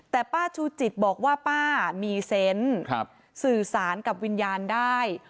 แต่ป้าชูจิตบอกว่าป้ามีเซนต์สื่อสารกับวิญญาณได้